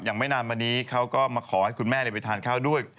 อย่างไม่นานมานี้เขาก็มาขอให้คุณแม่เดี๋ยวไปทานข้าวด้วย